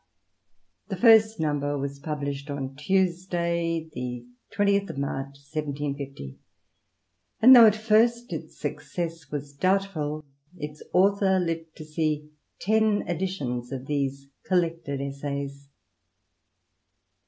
The first number was published on Tuesday, the 20th of March 1750, and though at first its success was doubtful, its author lived to see ten editions of these collected essa)rs.